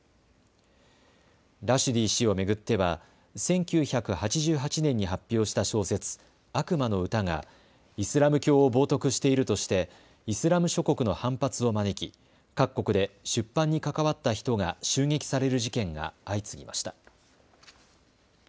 ラシュディ氏を巡っては１９８８年に発表した小説、悪魔の詩がイスラム教を冒とくしているとしてイスラム諸国の反発を招き各国で出版に関わった人が襲撃される事件が相次ぎました。